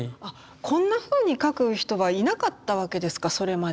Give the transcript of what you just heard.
こんなふうに描く人はいなかったわけですかそれまで。